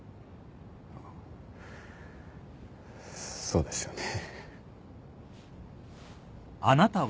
そうですよね。